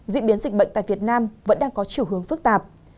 diễn biến dịch bệnh tại việt nam vẫn đang có chiều hướng phức tạp